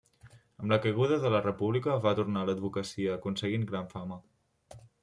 Amb la caiguda de la República, va tornar a l'advocacia, aconseguint gran fama.